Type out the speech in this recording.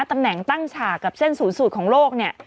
ตำแหน่งตั้งฉากกับเส้นศูนย์สูตรของโลกเนี่ย